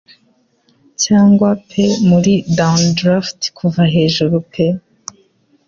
cyangwa pe muri downdraft kuva hejuru pe